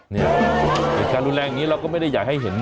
เหตุการณ์รุนแรงอย่างนี้เราก็ไม่ได้อยากให้เห็น